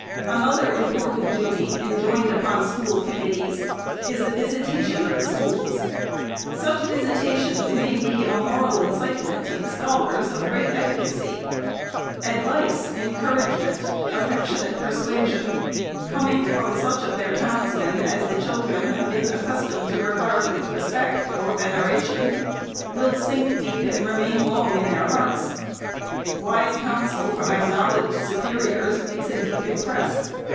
Another important duty enjoined upon school commit tees is the visitation of the schools. Such visitations may be a moral incitement to the scholars, of great efficacy. Advice, encouragement, affectionate persuasion, coming from such of their townsmen as the children have been 402 THE SECRETARY'S accustomed to regard with respect or veneration, will sink deep and remain long in their hearts. Wise counsel from acknowledged superiors makes a deep impress.